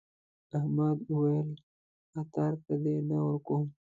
احمد وويل: خطر ته دې نه ورکوم.